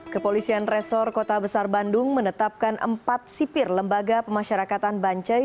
kepolisian resor kota besar bandung menetapkan empat sipir lembaga pemasyarakatan bancai